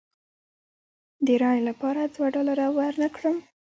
د رایې لپاره دوه ډالره ورنه کړم.